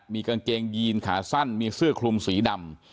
มีกางเกงยีนขาสั้นมีเสื้อคลุมสีดำ